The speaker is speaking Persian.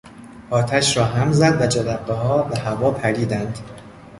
آتش را هم زد و جرقهها به هوا پریدند.